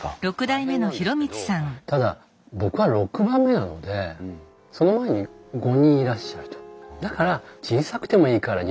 大変なんですけどただ僕は６番目なのでその前に５人いらっしゃると。